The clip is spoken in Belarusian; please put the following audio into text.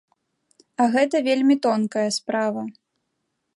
А гэта вельмі тонкая справа.